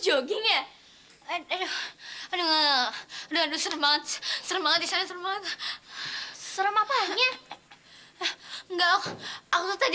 bikin ya aduh aduh aduh aduh serangat serangat di sana serangat serem apanya enggak aku tadi